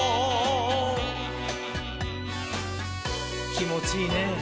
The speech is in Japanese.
きもちいいねぇ。